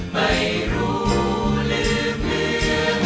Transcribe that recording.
ไม่รู้ลืมเหลือ